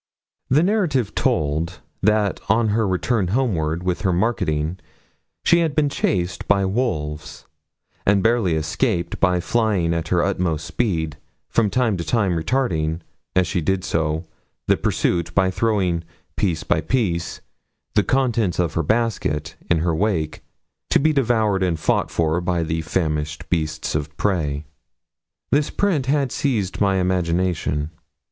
The narrative told, that on her return homeward with her marketing, she had been chased by wolves, and barely escaped by flying at her utmost speed, from time to time retarding, as she did so, the pursuit, by throwing, piece by piece, the contents of her basket, in her wake, to be devoured and fought for by the famished beasts of prey. This print had seized my imagination.